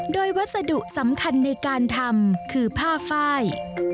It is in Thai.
โดยวัสดุสำคัญในการทำคือผ้าไฟ